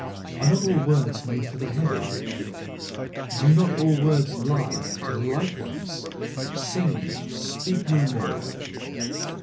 Are not all words made for the heavy? Do not all words lie to the light ones? Sing! speak no more!"